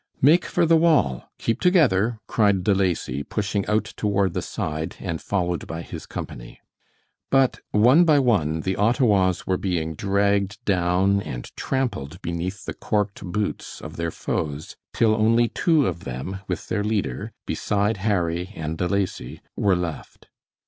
"Make for the wall. Keep together," cried De Lacy, pushing out toward the side, and followed by his company. But, one by one, the Ottawas were being dragged down and trampled beneath the "corked" boots of their foes, till only two of them, with their leader, beside Harry and De Lacy, were left.